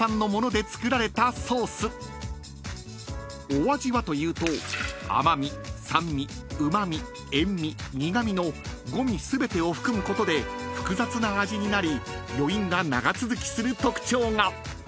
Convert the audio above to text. ［お味はというと甘味・酸味・うま味・塩味・苦味の５味全てを含むことで複雑な味になり余韻が長続きする特徴が］